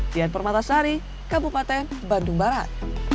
dian permatasari kabupaten bandung barat